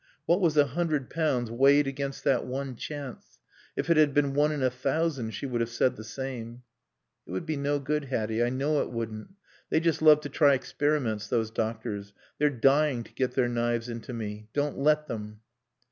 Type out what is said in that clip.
What was a hundred pounds weighed against that one chance? If it had been one in a thousand she would have said the same. "It would be no good, Hatty. I know it wouldn't. They just love to try experiments, those doctors. They're dying to get their knives into me. Don't let them."